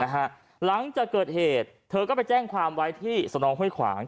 หลังจากเกิดเหตุเธอก็ไปแจ้งความไว้ที่สนองห้วยขวาง